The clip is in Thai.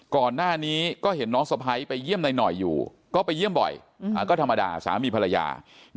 ก่อนหน้านี้ก็เห็นน้องสะพ้ายไปเยี่ยมหน่อยอยู่ก็ไปเยี่ยมบ่อยก็ธรรมดาสามีภรรยา